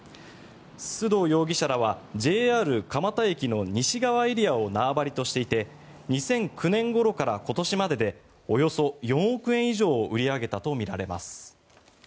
須藤容疑者らはＪＲ蒲田駅の西側エリアを縄張りとしていて２００９年ごろから今年まででおよそ４億円以上を売り上げたとみられます。